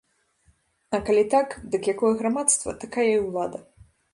А калі так, дык якое грамадства, такая і ўлада.